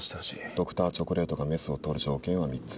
ドクターチョコレートがメスを執る条件は３つ。